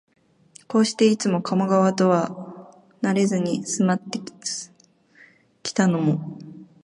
こうして、いつも加茂川とはなれずに住まってきたのも、